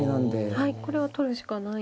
はいこれは取るしかないですか。